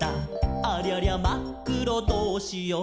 「ありゃりゃ、まっくろどうしよー！？」